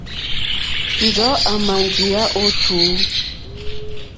Njɔ̀ɔ́ àmà njíyá ó tùú.